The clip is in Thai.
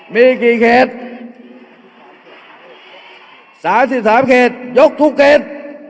มีกี่เขตสามสิบสามเขตยกทุกเกต